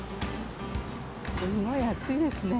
すんごい暑いですね。